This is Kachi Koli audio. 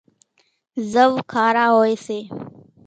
زوَ کارا هوئيَ سي۔